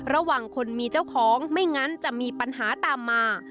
ระหว่างคนมีเจ้าของไม่งั้นจะมีปัญหาตามมา